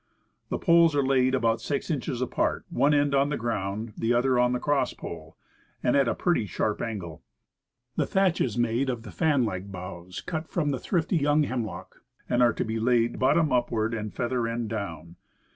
The poles are laid about six inches apart, one end on the ground, the other on the crosspole, and at a pretty sharp angle. The thatch is made of the fan like boughs cut from a thrifty young hemlock, and are to be laid bottom upward and feather end down.